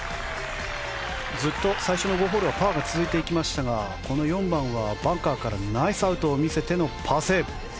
ずっと最初の５ホールはパーが続きましたが４番は、バンカーからナイスアウトを見せパーセーブ。